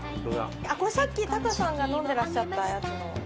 これさっきタカさんが飲んでらっしゃったやつの。